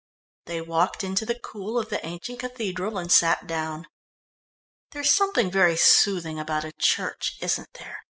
They walked into the cool of the ancient cathedral and sat down. "There's something very soothing about a church, isn't there?"